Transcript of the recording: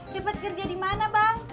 dapat kerja dimana bang